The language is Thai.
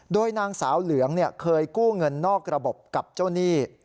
โดยนางสาวเหลืองเคยกู้เงินนอกระบบกับเจ้าหนี้